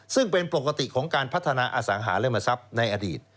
ซึ่งเป็นปกติของการพัฒนาอสังหาริมทรัพย์ในอดีต